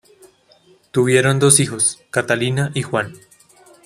Tuvieron dos hijos, Catalina y Juan.